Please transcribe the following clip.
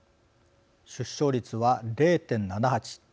出生率は０．７８。